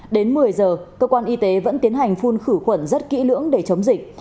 đến một mươi giờ cơ quan y tế vẫn tiến hành phun khử khuẩn rất kỹ lưỡng để chống dịch